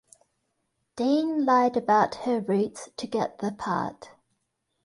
Dean lied about her roots to get the part.